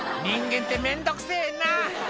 「人間って面倒くせぇな」